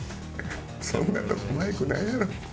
そんなとこマイクないやろ。